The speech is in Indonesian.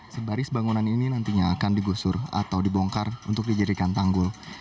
sebaris bangunan ini nantinya akan digusur atau dibongkar untuk dijadikan tanggul